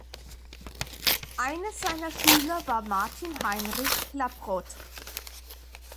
Einer seiner Schüler war Martin Heinrich Klaproth.